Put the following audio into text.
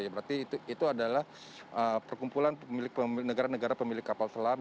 berarti itu adalah perkumpulan negara negara pemilik kapal selam